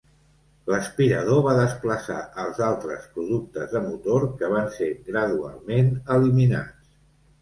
L'aspirador va desplaçar els altres productes de motor que van ser gradualment eliminats.